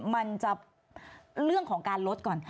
มันจะเรื่องของการลดก่อน